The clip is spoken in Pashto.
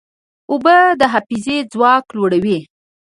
اوبه د حافظې ځواک لوړوي.